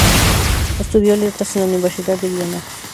Estudió letras en la Universidad de Viena.